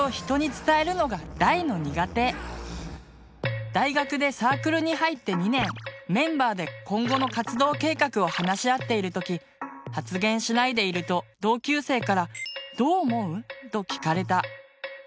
自分の大学でサークルに入って２年メンバーで今後の活動計画を話し合っている時発言しないでいると同級生から「どう思う？」と聞かれた。